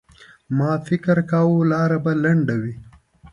ما فکر کاوه لاره به لنډه وي.